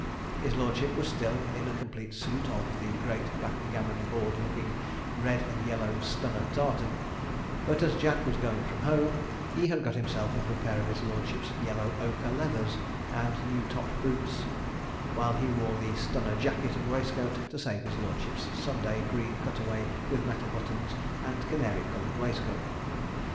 His lordship was still in a complete suit of the great backgammon board looking red and yellow Stunner tartan: but as Jack was going from home, he had got himself into a pair of his lordship's yellow ochre leathers and new top boots, while he wore the Stunner jacket and waistcoat to save his lordship's Sunday green cutaway with metal buttons, and canary coloured waistcoat.